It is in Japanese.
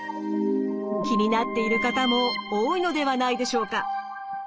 気になっている方も多いのではないでしょうか。